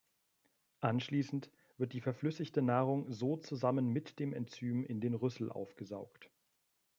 Anschließend wird die verflüssigte Nahrung so zusammen mit dem Enzym in den Rüssel aufgesaugt.